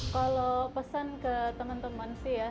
kalau pesan ke teman teman sih ya